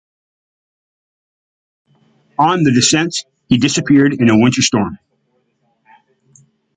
On the descent he disappeared in a winter storm.